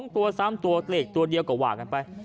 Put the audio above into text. ตัว๓ตัวเลขตัวเดียวก็ว่ากันไป